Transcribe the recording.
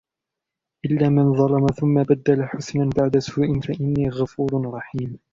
إِلَّا مَنْ ظَلَمَ ثُمَّ بَدَّلَ حُسْنًا بَعْدَ سُوءٍ فَإِنِّي غَفُورٌ رَحِيمٌ